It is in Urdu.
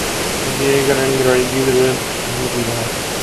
مجھیں ایک ایںر گاڑی کی ضریںرت نہیں تھیں وہاں